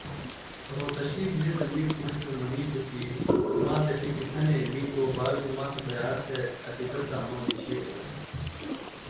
رھوتشی بِھلیۡ تہ می کُڑیۡ تھےۡ منِیتوۡ کیۡ ما تھےۡ ٹِکی تھنے، می توباک بیۡ ما تھےۡ تیار تھہ اٹیۡ دہ تہ مہ نیچِیر بِئانوۡ